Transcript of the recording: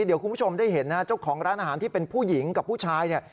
เดี๋ยวคุณผู้ชมได้เห็นนะเจ้าของร้านอาหารที่เป็นผู้หญิงกับผู้ชายเนี่ย